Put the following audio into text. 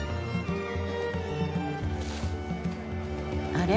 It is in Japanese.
あれ？